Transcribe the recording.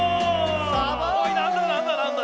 おいなんだなんだなんだ？